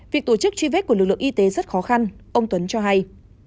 việc tổ chức truy vết của lực lượng y tế rất khó khăn ông tuấn cho hay